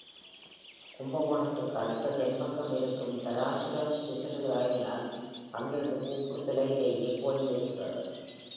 கும்பகோணத்துக்கு அடுத்த தென்பக்கம் இருக்கும் தாராசுரம் ஸ்டேஷனில் இறங்கினால் அங்கிருந்து கூப்பிடு தொலையிலேயே கோயில் இருக்கிறது.